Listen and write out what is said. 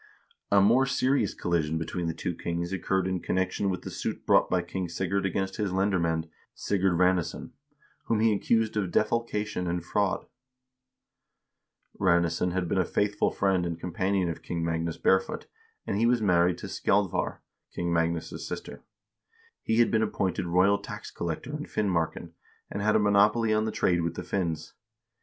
x A more serious collision between the two kings occurred in con nection with the suit brought by King Sigurd against his lendermand Sigurd Ranesson, whom he accused of defalcation and fraud. Ranes son had been a faithful friend and companion of King Magnus Bare foot, and he was married to Skjaldvaar, King Magnus' sister. He had been appointed royal tax collector in Finmarken,2 and had a monopoly on the trade with the Finns.